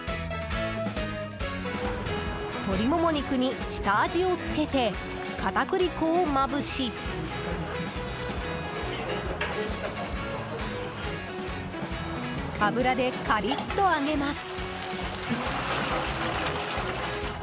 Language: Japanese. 鶏モモ肉に下味をつけて片栗粉をまぶし油でカリッと揚げます。